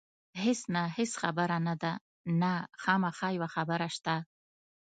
هېڅ نه، هېڅ خبره نه ده، نه، خامخا یوه خبره شته.